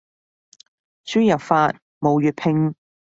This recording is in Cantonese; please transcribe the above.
輸入法冇粵拼